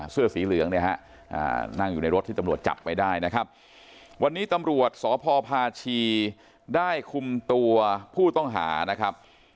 เสื้อสีเหลืองเนี่ยฮะนั่งอยู่ในรถที่ตำรวจจับไปได้นะครับวันนี้ตำรวจสพพาชีได้คุมตัวผู้ต้องหานะครับ